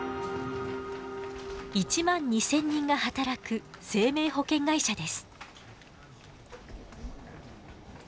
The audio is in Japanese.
１万２，０００人が働く生命保険会社です。